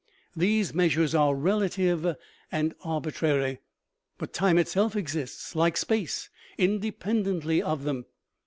These measures are relative and arbitrary ; but time itself exists, like space, independently of them.